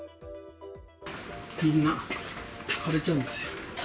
みんな枯れちゃうんですよ。